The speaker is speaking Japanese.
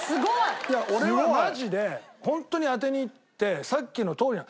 いや俺はマジでホントに当てにいってさっきのとおりなの。